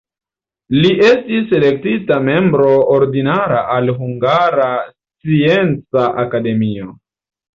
Li estis elektita membro ordinara al Hungara Scienca Akademio.